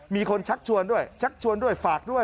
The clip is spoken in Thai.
มีคนชักชวนด้วยชักชวนด้วยฝากด้วย